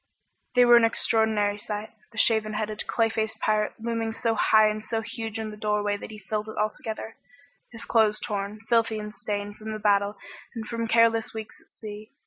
They were an extraordinary sight. The shaven headed, clay faced pirate looming so high and so huge in the doorway that he filled it altogether, his clothes torn, filthy and stained from the battle and from careless weeks at sea.